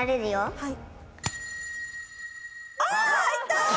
はい。